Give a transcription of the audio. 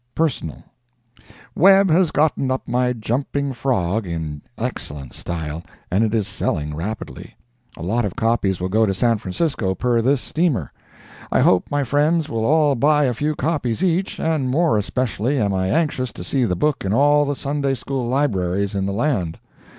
PERSONAL Webb has gotten up my "Jumping Frog" book in excellent style, and it is selling rapidly. A lot of copies will go to San Francisco per this steamer. I hope my friends will all buy a few copies each, and more especially am I anxious to see the book in all the Sunday School Libraries in the land.